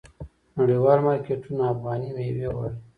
نړیوال مارکیټونه افغاني میوې غواړي.